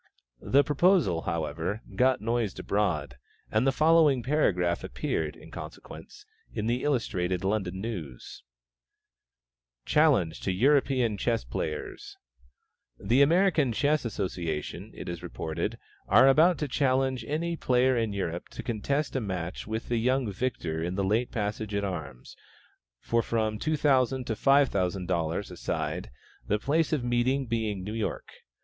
The proposal, however, got noised abroad, and the following paragraph appeared, in consequence, in the Illustrated London News: "CHALLENGE TO EUROPEAN CHESS PLAYERS."[B] "The American Chess Association, it is reported, are about to challenge any player in Europe to contest a match with the young victor in the late passage at arms, for from $2,000 to $5,000 a side, the place of meeting being New York.